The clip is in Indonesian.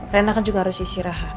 rena kan juga harus istirahat